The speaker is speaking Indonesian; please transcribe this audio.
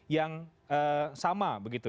yang sama begitu